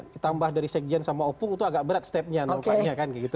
ditambah dari sekjen sama opung itu agak berat stepnya nampaknya kan gitu